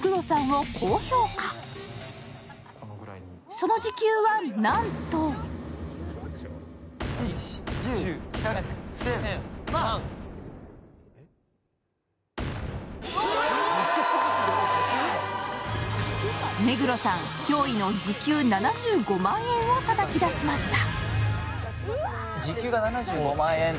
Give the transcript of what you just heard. その時給はなんと目黒さん、驚異の時給７５万円をたたき出しました。